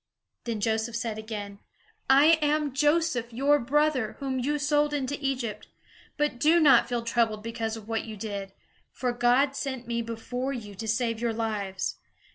Then Joseph said again: "I am Joseph, your brother, whom you sold into Egypt. But do not feel troubled because of what you did. For God sent me before you to save your lives.